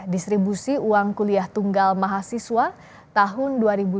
distribusi uang kuliah tunggal mahasiswa tahun dua ribu dua puluh